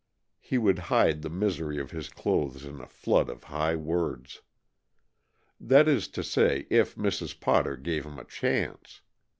He would hide the misery of his clothes in a flood of high words. That is to say, if Mrs. Potter gave him a chance!